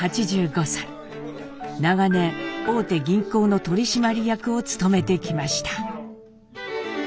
長年大手銀行の取締役を務めてきました。